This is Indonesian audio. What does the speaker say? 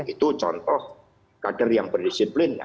itu contoh kader yang berdisiplin ya